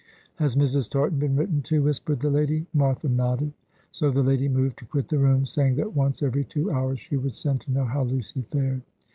"Has Mrs. Tartan been written to?" whispered the lady. Martha nodded. So the lady moved to quit the room, saying that once every two hours she would send to know how Lucy fared.